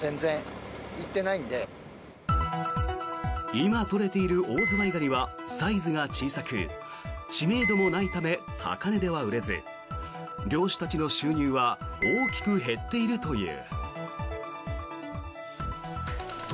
今取れているオオズワイガニはサイズが小さく知名度もないため高値では売れず漁師たちの収入は大きく減っているという。